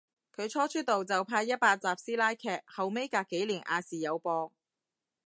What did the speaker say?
佢初出道就拍一百集師奶劇，後尾隔幾年亞視有播